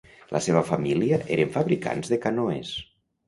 La seva família eren fabricants de canoes.